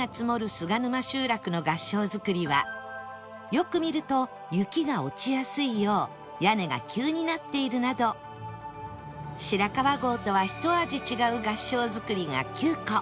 菅沼集落の合掌造りはよく見ると雪が落ちやすいよう屋根が急になっているなど白川郷とはひと味違う合掌造りが９戸